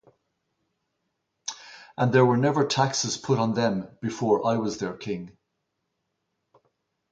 And there were never taxes put on them before I was their King.